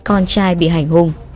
con trai bị hành hung